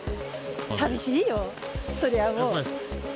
さみしいよ、そりゃもう。